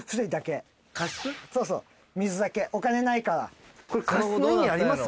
そう水だけお金ないからこれ加湿の意味あります？